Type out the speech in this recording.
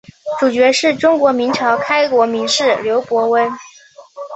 主角是中国明朝开国名士刘伯温。